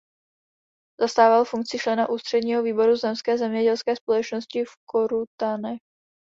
Zastával funkci člena ústředního výboru zemské zemědělské společnosti v Korutanech.